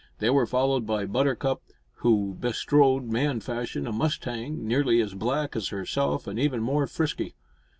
They were followed by Buttercup, who bestrode, man fashion, a mustang nearly as black as herself and even more frisky.